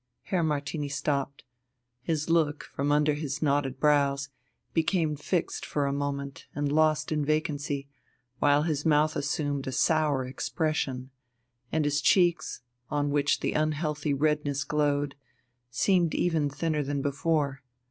Herr Martini stopped. His look, from under his knotted brows, became fixed for a moment and lost in vacancy, while his mouth assumed a sour expression and his cheeks, on which the unhealthy redness glowed, seemed even thinner than before.